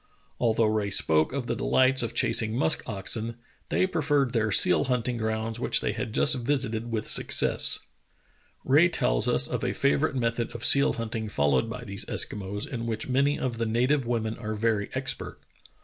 Although Rae Dr. Rae and the Franklin Mystery 149 spoke of the deHghts of chasing musk oxen, they pre ferred their seal hunting grounds which they had just visited with success. Rae tells us of a favorite method of seal hunting followed by these Eskimos in which many of the native women are very expert.